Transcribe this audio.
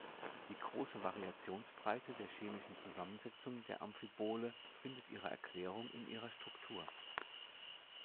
Die große Variationsbreite der chemischen Zusammensetzung der Amphibole findet ihre Erklärung in ihrer Struktur.